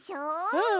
うん！